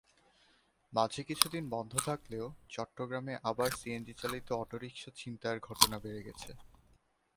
মাঝে কিছুদিন বন্ধ থাকলেও চট্টগ্রামে আবার সিএনজিচালিত অটোরিকশা ছিনতাইয়ের ঘটনা বেড়ে গেছে।